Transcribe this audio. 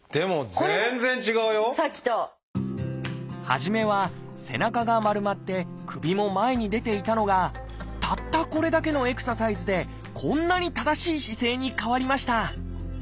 初めは背中が丸まって首も前に出ていたのがたったこれだけのエクササイズでこんなに正しい姿勢に変わりました。